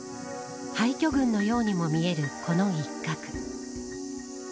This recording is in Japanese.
廃墟群のようにも見えるこの一角。